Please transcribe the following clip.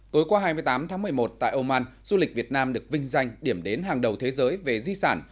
tối qua hai mươi tám tháng một mươi một tại oman du lịch việt nam được vinh danh điểm đến hàng đầu thế giới về di sản